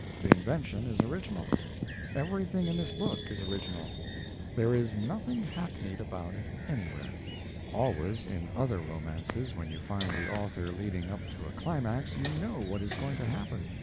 The invention is original. Everything in this book is original; there is nothing hackneyed about it anywhere. Always, in other romances, when you find the author leading up to a climax, you know what is going to happen.